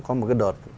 có một cái đợt